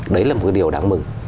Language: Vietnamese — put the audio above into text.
đấy là một cái điều đáng mừng